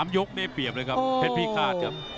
๓ยกได้เปรียบเลยครับเห็นพี่คาดครับ